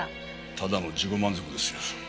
ただの自己満足ですよ。